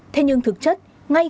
thế nhưng thực chất ngay cả